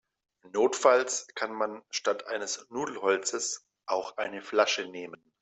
Notfalls kann man statt eines Nudelholzes auch eine Flasche nehmen.